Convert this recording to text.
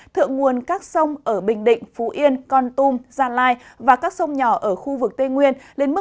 thượng nguồn các sông ở bình định phú yên con tum gia lai và các sông nhỏ ở khu vực tây nguyên